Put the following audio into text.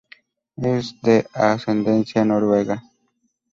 Es de ascendencia noruega.